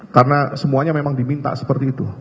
karena semuanya memang diminta seperti itu